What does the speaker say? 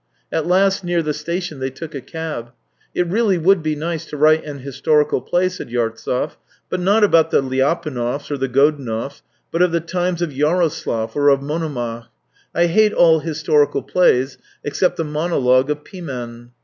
At last near the station they took a cab. " It really would be nice to write an historical play," said Yartsev, " but not about the Lya punovs or the Godunovs, but of the times of Yaroslav or of Monomach. ... I hate all historical plays except the monologue of Pimen.